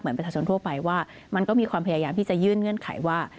ประชาชนทั่วไปว่ามันก็มีความพยายามที่จะยื่นเงื่อนไขว่า